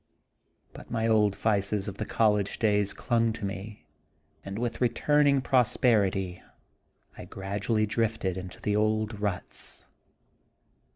But my old vices of the college days clung to me, and with return ing prosperity I gradually drifted into the old ruts.